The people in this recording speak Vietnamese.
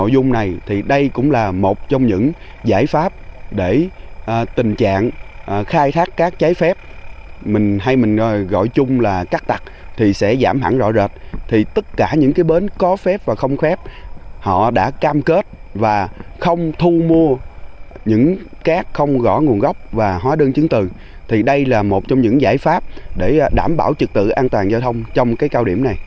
đây là một trong những giải pháp để đảm bảo trực tự an toàn giao thông trong cái cao điểm này